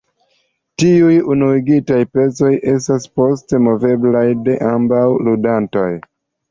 Tiuj unuigitaj pecoj estas poste moveblaj de ambaŭ ludantoj.